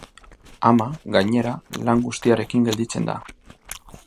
Ama, gainera, lan guztiarekin gelditzen da.